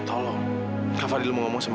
aku ngerasa harus menolongi kamu